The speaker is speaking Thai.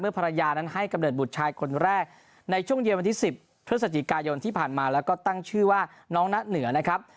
ภรรยานั้นให้กำเนิดบุตรชายคนแรกในช่วงเย็นวันที่๑๐พฤศจิกายนที่ผ่านมาแล้วก็ตั้งชื่อว่าน้องณะเหนือนะครับ